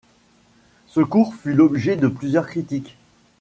Ce cours fut l'objet de plusieurs critiques.